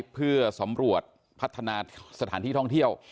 เพื่อสำรวจพัฒนาสถานที่ท่องเที่ยว